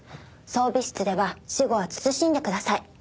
装備室では私語は慎んでください。